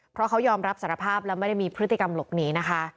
เพราะเขายอมรับสารภาพและไม่ได้มีพฤติกรรมหลบหนีนะคะ